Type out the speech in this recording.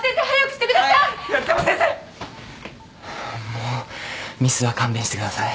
もうミスは勘弁してください。